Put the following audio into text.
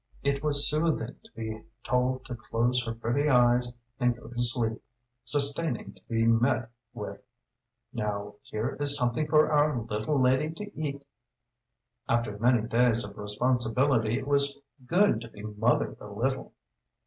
It was soothing to be told to close her pretty eyes and go to sleep, sustaining to be met with "Now here is something for our little lady to eat." After many days of responsibility it was good to be "mothered" a little.